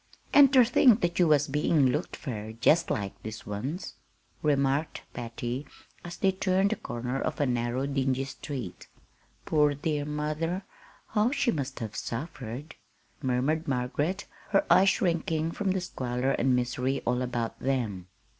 "An' ter think that you was bein' looked fur jest like this once," remarked Patty, as they turned the corner of a narrow, dingy street. "Poor dear mother! how she must have suffered," murmured Margaret, her eyes shrinking from the squalor and misery all about them.